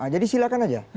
jadi silakan saja